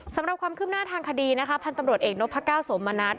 สำหรับความขึ้นหน้าทางคดีพันธุ์ตำรวจเอกนกพระเก้าสมมนต์